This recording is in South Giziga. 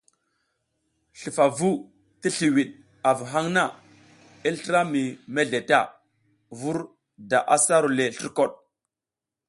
Slufavu ti sliwiɗ avu haŋ na i slra mi mezle ta vur da asa ru le slurkoɗ.